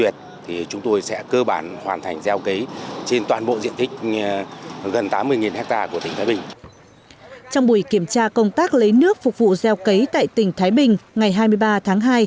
trong buổi kiểm tra công tác lấy nước phục vụ gieo cấy tại tỉnh thái bình ngày hai mươi ba tháng hai